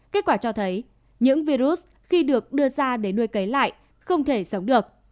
kết quả cho thấy những virus khi được đưa ra để nuôi cấy lại không thể sống được